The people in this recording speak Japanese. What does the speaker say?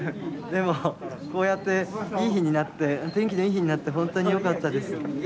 でもこうやっていい日になって天気のいい日になって本当によかったです。